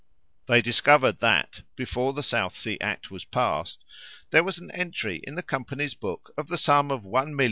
They discovered that, before the South Sea Act was passed, there was an entry in the company's books of the sum of 1,259,325l.